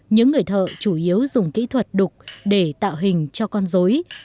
những người thợ chủ yếu dùng kỹ thuật đục để tạo hình cho con dối